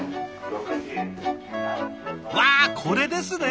わあこれですね！